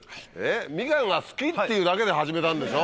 ミカンが好きっていうだけで始めたんでしょ？